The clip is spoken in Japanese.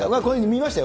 見ましたよ。